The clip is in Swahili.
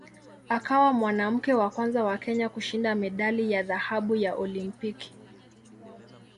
Akawa mwanamke wa kwanza wa Kenya kushinda medali ya dhahabu ya Olimpiki.